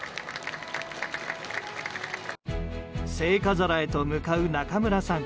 聖火皿へと向かう中村さん。